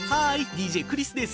ＤＪクリスです。